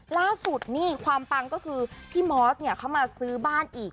ล่าสุดนี่ความปังก็คือพี่มอสเนี่ยเขามาซื้อบ้านอีก